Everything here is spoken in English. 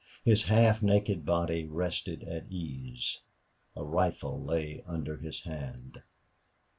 His half naked body rested at ease; a rifle lay under his hand.